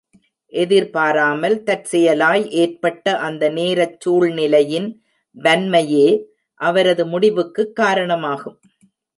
எதிர்பாராமல் தற்செயலாய் ஏற்பட்ட அந்த நேரச் சூழ்நிலையின் வன்மையே அவரது முடிவுக்குக் காரணமாகும்.